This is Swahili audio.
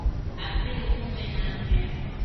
Aprili kumi na nne